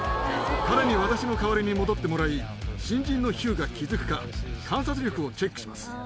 彼に私の代わりに戻ってもらい、新人のヒューが気付くか、観察力をチェックします。